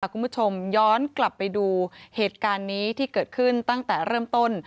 คุณผู้ชมย้อนกลับไปดูเหตุการณ์นี้ที่เกิดขึ้นตั้งแต่เริ่มต้น